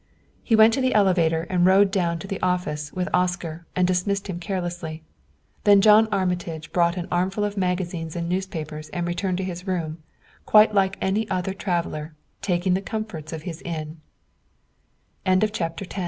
He went to the elevator and rode down to the office with Oscar and dismissed him carelessly. Then John Armitage bought an armful of magazines and newspapers and returned to his room, quite like any traveler taking the comforts of